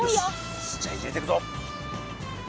よしじゃあ入れてくぞ。